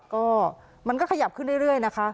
ก็มันก็ขยับขึ้นเรื่อยนะคะ